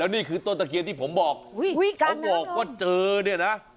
นี่คือต้นตะเคียนที่ผมบอกเขาบอกว่าเจอเนี่ยนะ